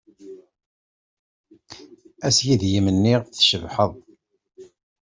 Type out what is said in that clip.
Ass ideg i m-nniɣ tcebḥeḍ.